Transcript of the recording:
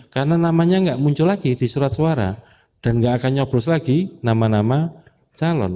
karena namanya enggak muncul lagi di surat suara dan enggak akan nyoblos lagi nama nama calon